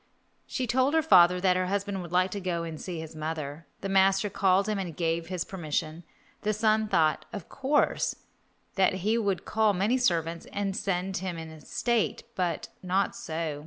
She told her father that her husband would like to go and see his mother. The master called him and gave his permission. The son thought, of course, that he would call many servants and send him in state, but not so.